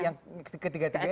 yang ketiga tiganya tidak jelas